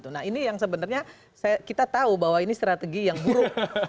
nah ini yang sebenarnya kita tahu bahwa ini strategi yang buruk